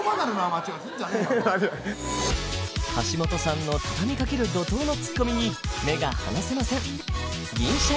橋本さんのたたみかける怒とうのツッコミに目が離せません